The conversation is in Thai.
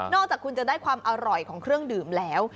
อกจากคุณจะได้ความอร่อยของเครื่องดื่มแล้ว